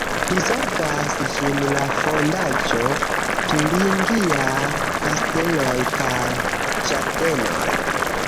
Prizorgas ĝin la "Fondaĵo Turingiaj Kasteloj kaj Ĝardenoj.